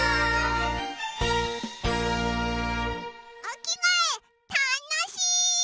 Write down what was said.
おきがえたのしい！